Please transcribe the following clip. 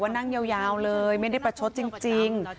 นั่งยาวเลยไม่ได้ประชดจริง